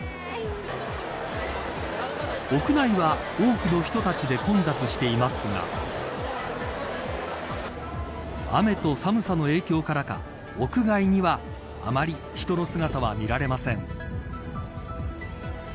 屋内は多くの人たちで混雑していますが雨と寒さの影響からか屋外にはあまり人の姿は見られません。